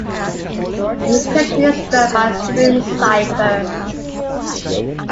Encryption is done by a stream cipher.